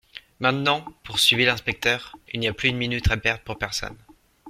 Maintenant, poursuivit l'inspecteur, il n'y a plus une minute à perdre pour personne.